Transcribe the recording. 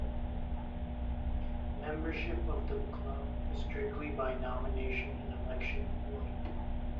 Membership of the club is strictly by nomination and election only.